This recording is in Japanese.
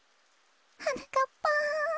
はなかっぱん。